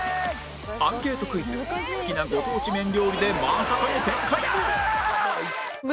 アンケートクイズ好きなご当地麺料理でまさかの展開に！